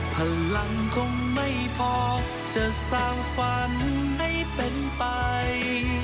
พลังคงไม่พอจะสร้างฝ่าย